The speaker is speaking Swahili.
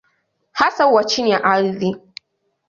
Hasa huwa chini ya ardhi.